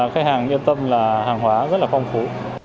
khách hàng yên tâm là hàng hóa rất là phong phú